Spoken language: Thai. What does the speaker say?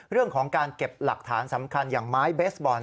เรื่องของการเก็บหลักฐานสำคัญอย่างไม้เบสบอล